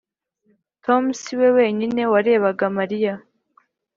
tom si we wenyine warebaga mariya.